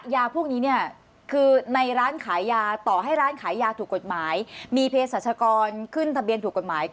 ยาพวกนี้เนี่ยคือในร้านขายยาต่อให้ร้านขายยาถูกกฎหมายมีเพศรัชกรขึ้นทะเบียนถูกกฎหมาย